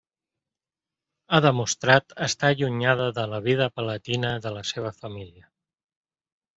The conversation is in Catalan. Ha demostrat estar allunyada de la vida palatina de la seva família.